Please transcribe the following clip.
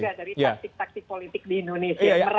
mereka mungkin belajar juga dari taktik taktik politik di indonesia